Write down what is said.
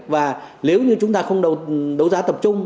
và nếu như chúng ta không đấu giá tập trung